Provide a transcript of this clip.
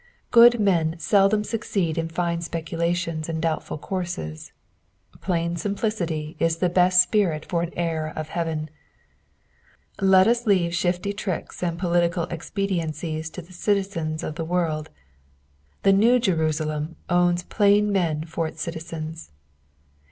Good men seldom succeed in fine speculations and doubtful courses \ plain simplicity is the best spirit for an heir of heaven : let us leave shifty tricks and political expediences to the citizens nf the world — the New Jerusalem uwns plain men for its citizens.